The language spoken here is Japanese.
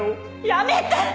やめて！